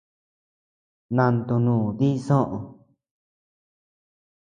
Nantonu dii soʼö.